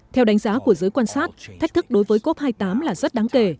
theo đánh giá của giới quan sát thách thức đối với cop hai mươi tám là rất đáng kể